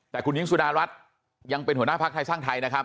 แต่คุณหญิงสุดารัฐยังเป็นหัวหน้าภักดิ์ไทยสร้างไทยนะครับ